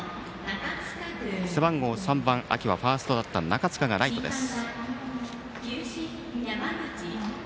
背番号３番秋はファーストだった中塚がライトです。